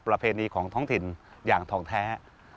ประเพณีของท้องถิ่นอย่างทองแท้